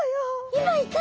今いた！